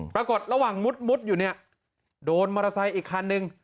ปรากฏระหว่างมุดอยู่เนี่ยโดนมอเตอร์ไซค์อีกคันนึง